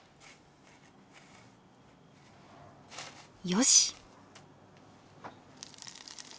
よし。